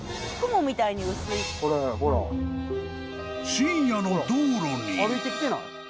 ［深夜の道路に］